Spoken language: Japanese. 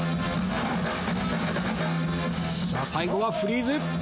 最後はフリーズ。